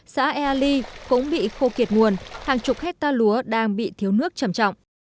xã ea ly cũng bị khô kiệt nguồn hàng chục hectare lúa đang bị thiếu nước trầm trọng